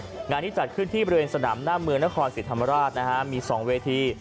การที่จัดขึ้นที่บริเวณสนามหน้าเมืองนครศิษย์ธรรมราชมี๒เวที